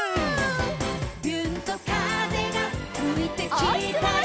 「びゅーんと風がふいてきたよ」